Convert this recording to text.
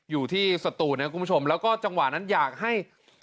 สตูนนะคุณผู้ชมแล้วก็จังหวะนั้นอยากให้